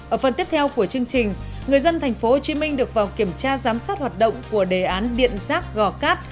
ở phần tiếp theo của chương trình người dân tp hcm được vào kiểm tra giám sát hoạt động của đề án điện rác gò cát